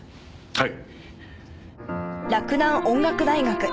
はい。